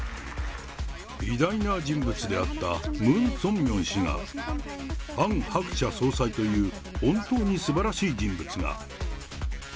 偉大な人物であったムン・ソンミョン氏が、ハン・ハクチャ総裁という本当にすばらしい人物が。